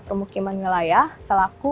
permukiman nilaiah selaku